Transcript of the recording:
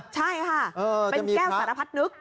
ใช่ค่ะเป็นแก้วสารพัดนึก